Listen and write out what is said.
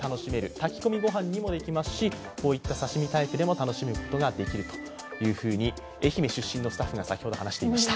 炊き込みごはんにもできますし、刺身タイプでも楽しむことができると愛媛出身のスタッフが先ほど話していました。